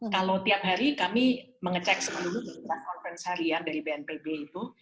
kalau tiang hari kami mengecek semuanya dari conference harian dari bnpb itu